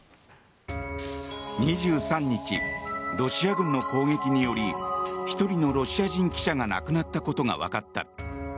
２３日、ロシア軍の攻撃により１人のロシア人記者が亡くなったことが分かった。